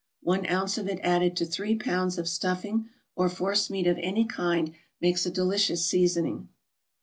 One ounce of it added to three pounds of stuffing, or forcemeat of any kind, makes a delicious seasoning.